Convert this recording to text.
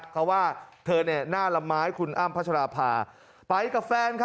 เพราะว่าเธอเนี่ยหน้าละไม้คุณอ้ำพัชราภาไปกับแฟนค่ะ